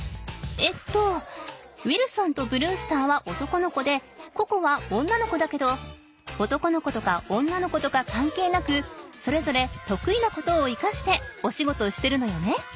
えっとウィルソンとブルースターは男の子でココは女の子だけど男の子とか女の子とかかんけいなくそれぞれとくいなことを生かしてお仕事してるのよね。